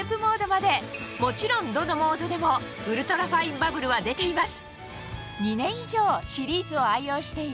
もちろんどのモードでもウルトラファインバブルは出ています